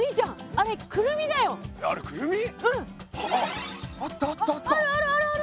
あるあるあるある。